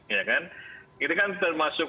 ya kan ini kan termasuk